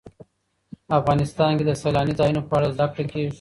افغانستان کې د سیلاني ځایونو په اړه زده کړه کېږي.